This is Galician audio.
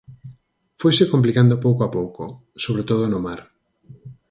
Foise complicando pouco a pouco, sobre todo no mar.